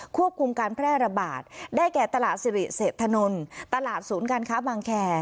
ควบคุมการแพร่ระบาดได้แก่ตลาดสิริเศษถนนตลาดศูนย์การค้าบางแคร์